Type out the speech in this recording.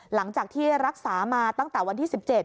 หลังจากที่รักษามาตั้งแต่วันที่๑๗